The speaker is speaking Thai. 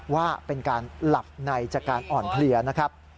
ว่าเป็นการหลับในจากการอ่อนเพลียนะครับ